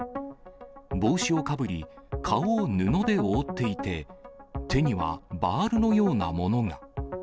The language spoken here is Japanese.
帽子をかぶり、顔を布で覆っていて、手にはバールのようなものが。